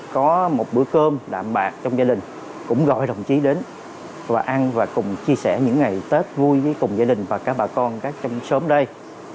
có một bữa cơm đạm bạc trong gia đình cũng gọi đồng chí đến và ăn và cùng chia sẻ những ngày tết vui với cùng gia đình và các bà con các trong sớm đây